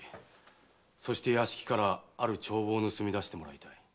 そして屋敷からある帳簿を盗み出してもらいたい。